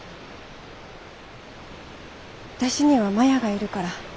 私にはマヤがいるから。